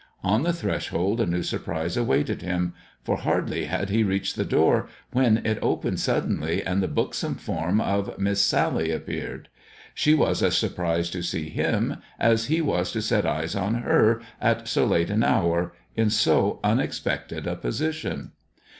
On the threshold a new surprise awaited him, for hardly had he reached the door when it opened suddenly, and the buxom form of Mistress Sally appeared. She was as surprised to see him as he was to set eyes on her at so late an hour, in so unexpected a position.